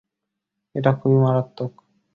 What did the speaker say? এটা খুবই মারাত্মক।